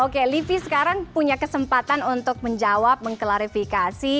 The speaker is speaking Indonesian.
oke livi sekarang punya kesempatan untuk menjawab mengklarifikasi